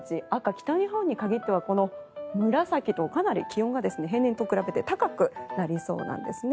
北日本に限ってはこの紫と、かなり気温が平年と比べて高くなりそうなんですね。